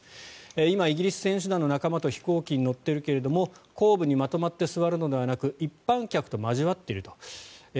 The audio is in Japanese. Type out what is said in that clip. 今、イギリス選手団の仲間と飛行機に乗っているけど後部にまとまって座るのではなく一般客と交わっていると。